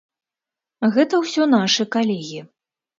Гэта ўсё нашы калегі.